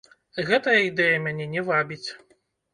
Гэтая ідэя мяне не вабіць.